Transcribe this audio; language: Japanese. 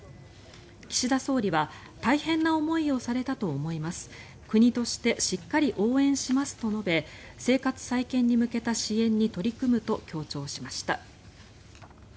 岸田総理は大変な思いをされたと思います国としてしっかり応援しますと述べ生活再建に向けた支援に取り組むと強調しました。